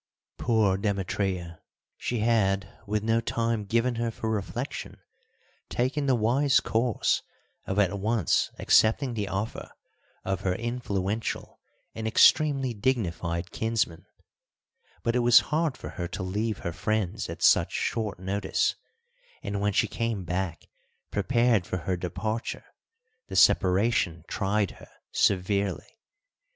Poor Demetria! she had, with no time given her for reflection, taken the wise course of at once accepting the offer of her influential and extremely dignified kinsman; but it was hard for her to leave her friends at such short notice, and when she came back prepared for her departure the separation tried her severely.